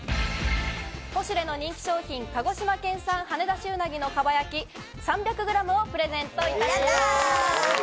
ポシュレの人気商品「鹿児島県産はねだし鰻の蒲焼３００ｇ」をプレゼントいたします。